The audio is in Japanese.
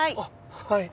はい。